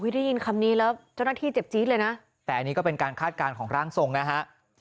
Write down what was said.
ได้ยินคำนี้แล้วเจ้าหน้าที่เจ็บจี๊ดเลยนะแต่อันนี้ก็เป็นการคาดการณ์ของร่างทรงนะฮะ